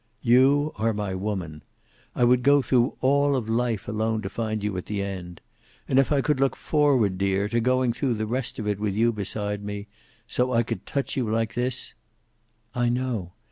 You are my woman. I would go through all of life alone to find you at the end. And if I could look forward, dear, to going through the rest of it with you beside me, so I could touch you, like this " "I know."